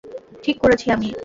ঠিক করেছি আমি?